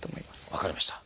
分かりました。